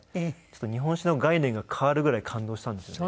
日本酒の概念が変わるぐらい感動したんですよね。